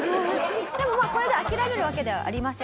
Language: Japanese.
でもまあこれで諦めるわけではありません。